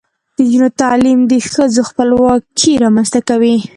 د نجونو تعلیم د ښځو خپلواکۍ رامنځته کوي.